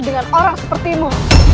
dengan orang sepertimu